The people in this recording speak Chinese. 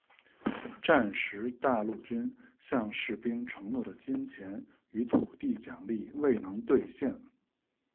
战时大陆军向士兵承诺的金钱与土地奖励未能兑现。